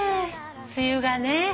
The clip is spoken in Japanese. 梅雨がね。